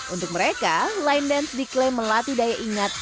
untuk mereka line dance diklaim melatih daya ingat